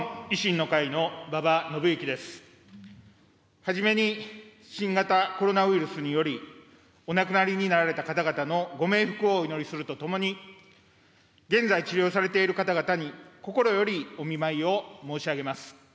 初めに新型コロナウイルスによりお亡くなりになられた方々のご冥福をお祈りするとともに、現在治療されている方々に心よりお見舞いを申し上げます。